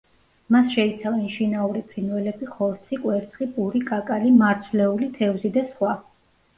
მას შეიცავენ შინაური ფრინველები, ხორცი, კვერცხი, პური, კაკალი, მარცვლეული, თევზი და სხვა.